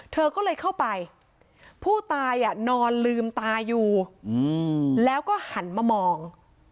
เธอก็เลยเข้าไปผู้ตายนอนลืมตาอยู่แล้วก็หันมามอง